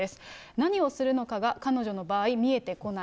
何をするのかが彼女の場合見えてこない。